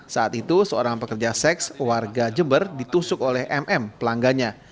saat itu seorang pekerja seks warga jember ditusuk oleh mm pelanggannya